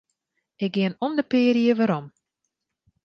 Ik gean om de pear jier werom.